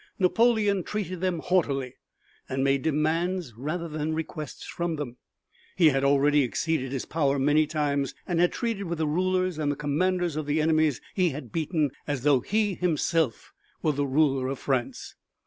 Napoleon treated them haughtily, and made demands rather than requests from them. He had already exceeded his powers many times and had treated with the rulers and the commanders of the enemies he had beaten as though he himself were the ruler of France.